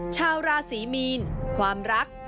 ชาวราศีมีนความรัก